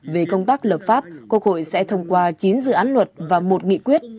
về công tác lập pháp quốc hội sẽ thông qua chín dự án luật và một nghị quyết